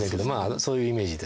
そういうイメージです。